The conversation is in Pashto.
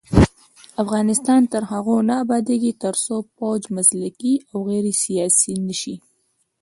افغانستان تر هغو نه ابادیږي، ترڅو پوځ مسلکي او غیر سیاسي نشي.